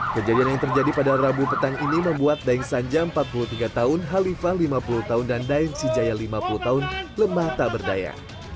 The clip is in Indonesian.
kejadian yang terjadi pada rabu petang ini membuat daeng sanja empat puluh tiga tahun halifa lima puluh tahun dan daeng sijaya lima puluh tahun lemah tak berdaya